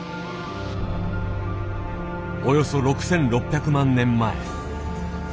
およそ６，６００万年前。